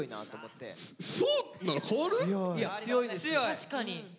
確かに！